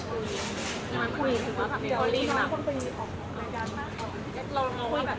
ก็คุยกับคนอื่น